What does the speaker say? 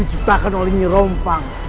jurus itu diciptakan oleh nyi rompang